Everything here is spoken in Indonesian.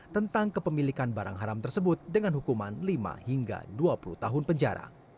tentang kepemilikan barang haram tersebut dengan hukuman lima hingga dua puluh tahun penjara